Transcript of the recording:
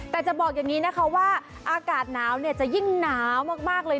แต่จะบอกอย่างนี้นะคะว่าอากาศหนาวจะยิ่งหนาวมากเลย